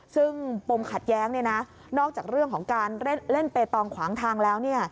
ซึ่งปมขัดแย้งนอกจากเรื่องของการเล่นเปตองขวางทางแล้ว